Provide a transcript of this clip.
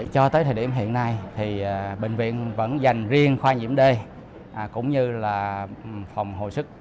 cho tới thời điểm hiện nay thì bệnh viện vẫn dành riêng khoa nhiễm d cũng như là phòng hồi sức